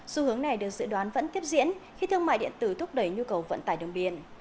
xu hướng này được dự đoán vẫn tiếp diễn khi thương mại điện tử thúc đẩy nhu cầu vận tải đường biển